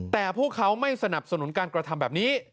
แต่พวกเขาไม่สนับสนุนการกระทำแบบนี้